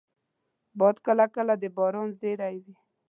باد کله کله د باران زېری وي